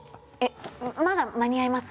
まだ間に合います？